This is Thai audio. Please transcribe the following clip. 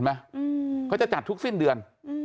เขาจะจัดทุกสิ้นเดือน